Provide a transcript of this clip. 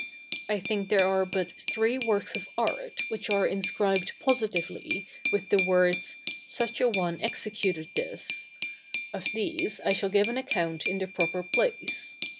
I think there are but three works of art which are inscribed positively with the words "such a one executed this;" of these I shall give an account in the proper place.